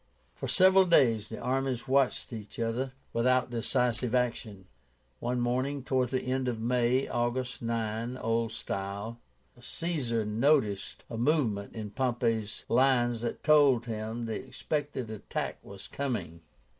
For several days the armies watched each other without decisive action. One morning towards the end of May (August 9, old style) Caesar noticed a movement in Pompey's lines that told him the expected attack was coming.